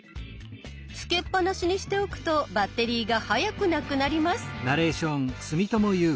つけっぱなしにしておくとバッテリーが早くなくなります。